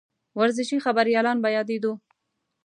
ورزشي خبریالان به یادېدوو.